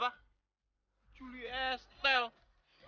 palu palu palu